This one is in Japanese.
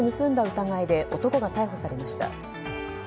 疑いで男が逮捕されました。